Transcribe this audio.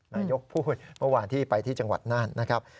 นายกพูดเมื่อวานที่ไปที่จังหวัดน่านนะครับ